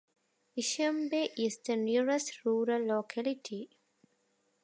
Ishimbay is the nearest rural locality.